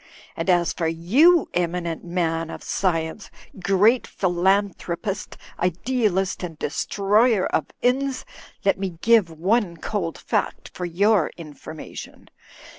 And as for you, eminent man of science, great philanthropist, idealist and destroyer of inns, let me give one cold fact for your information.